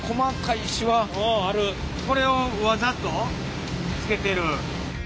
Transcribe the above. これをわざとつけてる？